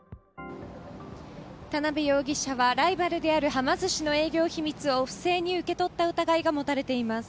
田辺容疑者はライバルであるはま寿司の営業秘密を不正に受け取った疑いが持たれています。